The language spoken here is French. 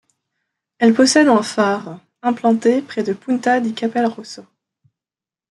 Elle possède un phare implanté près de Punta di Capel Rosso.